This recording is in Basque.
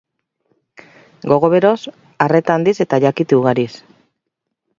Gogo beroz, arreta handiz eta jakite ugariz.